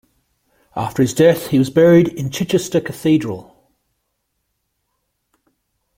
After his death, he was buried in Chichester Cathedral.